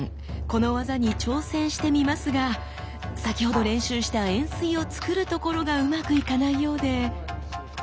この技に挑戦してみますが先ほど練習した円錐をつくるところがうまくいかないようで。